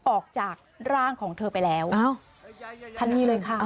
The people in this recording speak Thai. ออกจากร่างของเธอไปแล้วทันทีเลยค่ะ